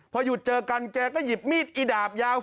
พอหยุดเจอกันแกก็หยิบมีดอีดาบยาว